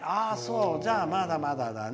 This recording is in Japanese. じゃあ、まだまだだね。